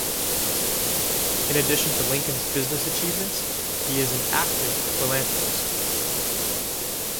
In addition to Lincoln's business achievements, he is an active philanthropist.